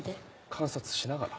観察しながら？